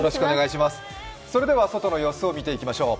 それでは外の様子を見ていきましょう。